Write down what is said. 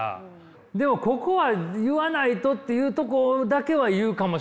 でもここは言わないとっていうとこだけは言うかもしれんな。